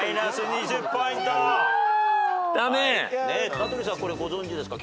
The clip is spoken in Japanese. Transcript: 名取さんこれご存じですか？